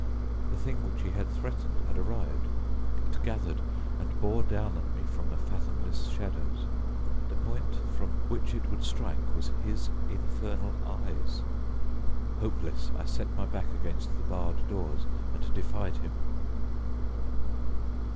The thing which he had threatened had arrived: it gathered and bore down on me from the fathomless shadows; the point from which it would strike was his infernal eyes. Hopeless, I set my back against the barred doors and defied him.